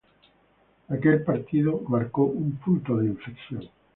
Aquel partido marcó un punto de inflexión.